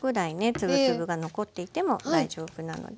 粒々が残っていても大丈夫なので。